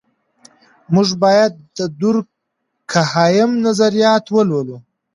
موږ باید د دورکهایم نظریات ولولو.